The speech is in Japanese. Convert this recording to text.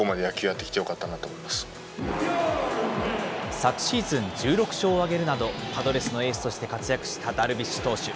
昨シーズン１６勝を挙げるなど、パドレスのエースとして活躍したダルビッシュ投手。